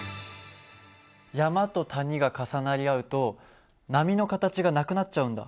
山と谷が重なり合うと波の形がなくなっちゃうんだ。